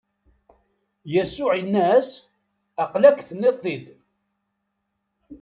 Yasuɛ inna-as: Aql-ak, tenniḍ-t-id!